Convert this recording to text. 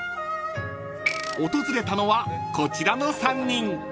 ［訪れたのはこちらの３人］